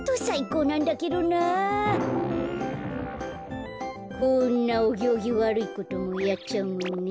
こんなおぎょうぎわるいこともやっちゃうもんね。